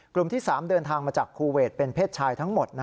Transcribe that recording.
กลุ่มที่๓เดินทางมาจากคูเวทเป็นเพศชายทั้งหมด